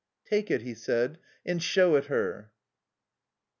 "Take it," he said, "and show it her."